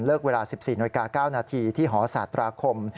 เลิกเวลา๑๔น๙นที่หอศาสตราคม